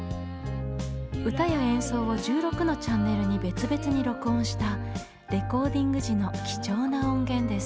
歌や演奏を１６のチャンネルに別々に録音したレコーディング時の貴重な音源です。